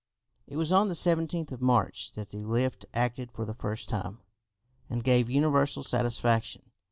It was on the 17th of March that the lift acted for the first time, and gave universal satisfaction.